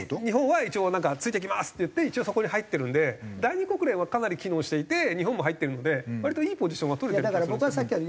日本はついていきますって言って一応そこに入ってるんで第二国連はかなり機能していて日本も入ってるので割といいポジションは取れてる気がする。